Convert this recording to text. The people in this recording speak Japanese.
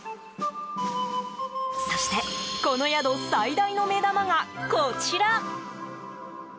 そして、この宿最大の目玉がこちら。